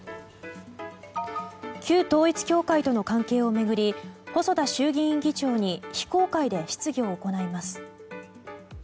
旧統一教会との関係を巡り細田衆議院議長に非公開で質疑を行います。